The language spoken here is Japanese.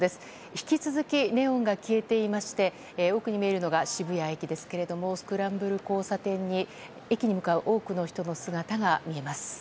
引き続きネオンが消えていまして奥に見えるのが渋谷駅ですがスクランブル交差点に駅に向かう多くの人の姿が見えます。